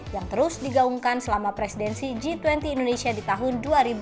yang terus digaungkan selama presidensi g dua puluh indonesia di tahun dua ribu dua puluh